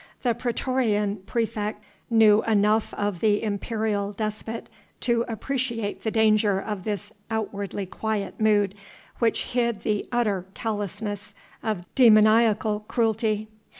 The praetorian praefect knew enough of the imperial despot to appreciate the danger of this outwardly quiet mood, which hid the utter callousness of demoniacal cruelty.